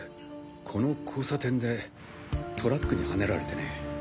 この交差点でトラックにはねられてね。